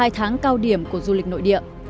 tháng cao điểm của du lịch nội địa